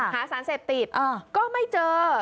หาสารเสพติดก็ไม่เจอ